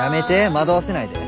惑わせないで。